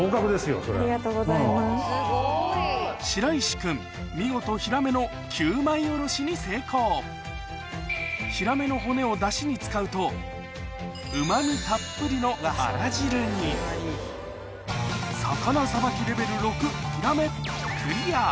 君見事ヒラメの９枚おろしに成功に使うとうま味たっぷりの魚さばきレベル６ヒラメクリア！